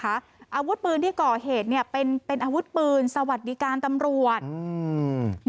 อาวุธปืนที่ก่อเหตุเป็นอาวุธปืนสวัสดีการตำรวจ